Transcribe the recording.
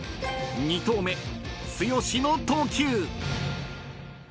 ［２投目剛の投球］